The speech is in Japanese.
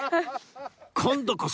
今度こそ！